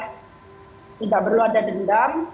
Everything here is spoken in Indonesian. tidak perlu ada dendam